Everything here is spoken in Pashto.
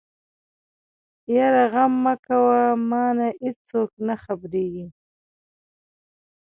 يره غم مکوه مانه ايڅوک نه خبرېږي.